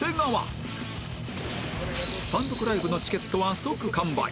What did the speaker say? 単独ライブのチケットは即完売！